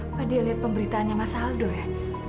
apa dia lihat pemberitaannya mas aldo ya